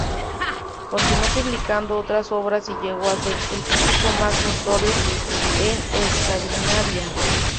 Continuó publicando otras obras y llegó a ser el crítico más notorio en Escandinavia.